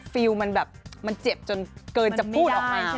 ฟิลมันแบบเจ็บจนเกินจะพูดออกมา